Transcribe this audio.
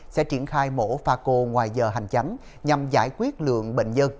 sẽ triển khai mổ pha cô ngoài giờ hành chánh nhằm giải quyết lượng bệnh nhân